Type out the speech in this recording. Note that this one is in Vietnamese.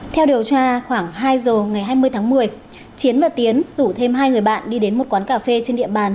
theo điều tra khoảng hai giờ ngày hai mươi tháng một mươi chiến và tiến rủ thêm hai người bạn đi đến một quán cà phê trên địa bàn